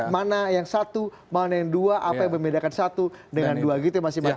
mana yang satu mana yang dua apa yang membedakan satu dengan dua gitu ya mas iman